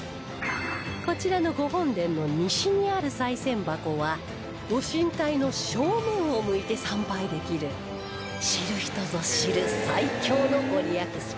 こちらの御本殿の西にある賽銭箱は御神体の正面を向いて参拝できる知る人ぞ知る最強のご利益スポット